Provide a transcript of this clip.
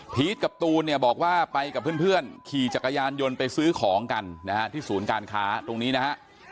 กับตูนเนี่ยบอกว่าไปกับเพื่อนขี่จักรยานยนต์ไปซื้อของกันนะฮะที่ศูนย์การค้าตรงนี้นะฮะ